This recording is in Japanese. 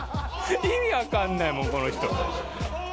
意味分かんないもん、この人。